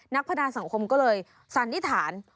พนาสังคมก็เลยสันนิษฐาน